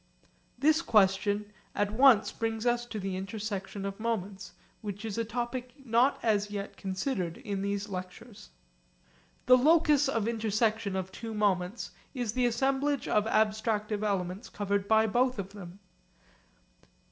This question at once brings us to the intersection of moments, which is a topic not as yet considered in these lectures. The locus of intersection of two moments is the assemblage of abstractive elements covered by both of them.